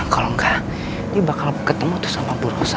kalau enggak dia bakal ketemu tuh sama bu rosa